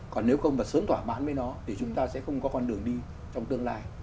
còn nếu không và sớm tỏa bán với nó thì chúng ta sẽ không có con đường đi trong tương lai